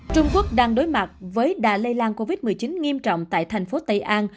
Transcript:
trung quốc đang đối mặt với đà lây lan covid một mươi chín nghiêm trọng tại thành phố tây an